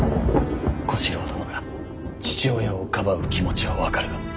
小四郎殿が父親をかばう気持ちは分かるが。